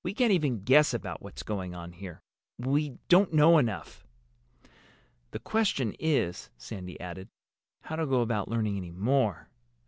We can't even guess about what's going on here. We don't know enough. The question is," Sandy added, "how to go about learning any more.